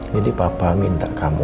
jadi papa minta kamu